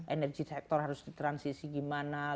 energy sector harus di transisi gimana